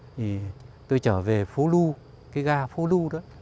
thì tôi trở về phố lu cái ga phố lu đó